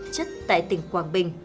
chất tại tỉnh quảng bình